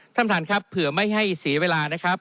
ท่านประธานครับเผื่อไม่ให้เสียเวลานะครับ